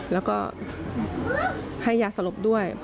แล้วก็ให้ยาสลบด้วย